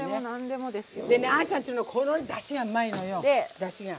でねあちゃんちのこのだしがうまいのよだしが。